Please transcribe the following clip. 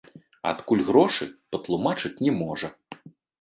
Адкуль грошы, патлумачыць не можа.